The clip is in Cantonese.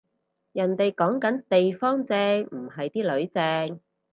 人哋講緊地方正，唔係啲囡正